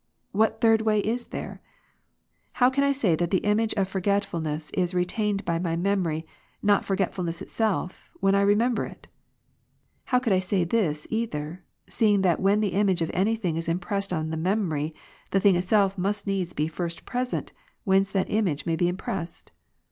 What third way is there ? How can I say that the image of forgetfulness is retained by my memory, not forgetfulness itself, when I remember it ? How could I say this either, seeing that when the image of any thing is impressed on the memory, the thing itself must needs be first present, whence that image may be impressed